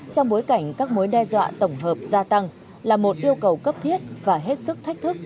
trong bối cảnh các mối đe dọa tổng hợp gia tăng là một yêu cầu cấp thiết và hết sức thách thức